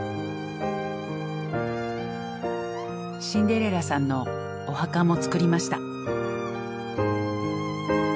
シンデレラさんのお墓も作りました。